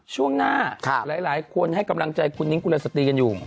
ช่วงหน้าหลายคนให้กำลังใจคุณนิ้งกุลสตรีกันอยู่